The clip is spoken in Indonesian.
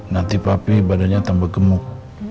nanti papi badannya tambah gemuk